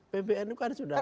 pbnu kan sudah mengeluarkan